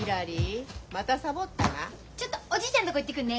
ちょっとおじいちゃんとこ行ってくるね。